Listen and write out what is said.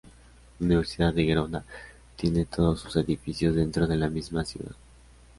La Universidad de Gerona tiene todos sus edificios dentro de la misma ciudad.